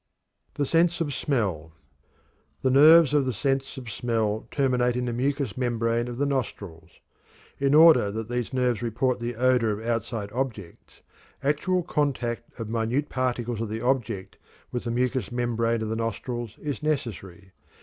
THE SENSE OF SMELL. The nerves of the sense of smell terminate in the mucous membrane of the nostrils. In order that these nerves report the odor of outside objects, actual contact of minute particles of the object with the mucous membrane of the nostrils is necessary.